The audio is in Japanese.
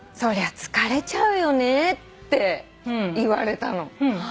疲れちゃうよねって言われたの。